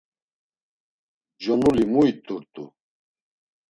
Conuli mu it̆urt̆u?